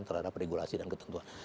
terhadap regulasi dan ketentuan